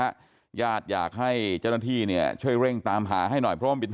ค่ะยาธิอยากให้เจ้าหน้าที่เนี่ยช่วยเร่งตามหาให้หน่อยเพราะมัน